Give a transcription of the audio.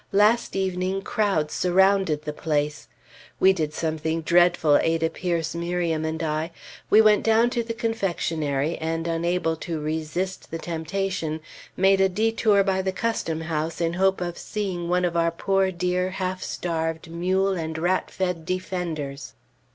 Last evening crowds surrounded the place. We did something dreadful, Ada Peirce, Miriam, and I. We went down to the confectionery; and unable to resist the temptation, made a détour by the Custom House in hope of seeing one of our poor dear half starved mule and rat fed defenders.